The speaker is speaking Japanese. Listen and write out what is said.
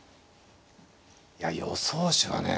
いや予想手はね